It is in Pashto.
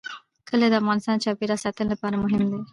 کلي د افغانستان د چاپیریال ساتنې لپاره مهم دي.